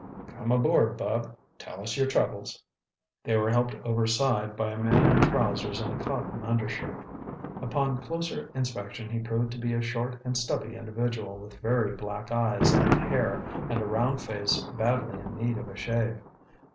"Come aboard, bub—tell us yer troubles." They were helped overside by a man in trousers and a cotton undershirt. Upon closer inspection he proved to be a short and stubby individual with very black eyes and hair and a round face badly in need of a shave.